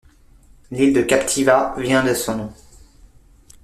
L'île de Captiva, vient de son nom.